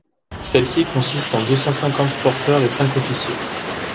Celle-ci consiste en deux cent-cinquante porteurs et cinq officiers.